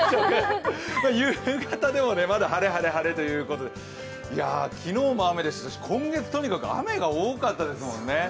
夕方でもね、まだ晴れ、晴れ、晴れということで昨日も雨でしたし今月とにかく雨が多かったですもんね。